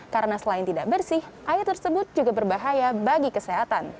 karena selain tidak bersih air tersebut juga berbahaya bagi kesehatan